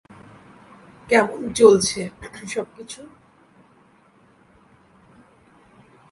ফলে, এই নিষেধাজ্ঞা হয়তো তেমন গুরুত্বপূর্ণ ছিল না।